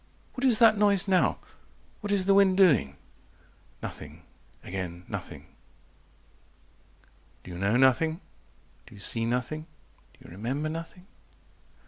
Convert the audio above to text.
"What is that noise now? What is the wind doing?" Nothing again nothing. 120 "Do You know nothing? Do you see nothing? Do you remember Nothing?"